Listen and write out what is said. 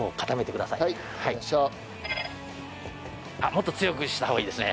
もっと強くした方がいいですね。